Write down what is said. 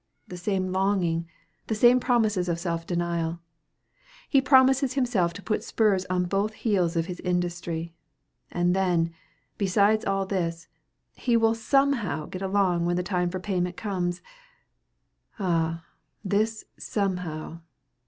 The same longing, the same promises of self denial. He promises himself to put spurs on both heels of his industry; and then, besides all this, he will somehow get along when the time for payment comes! Ah! this SOMEHOW!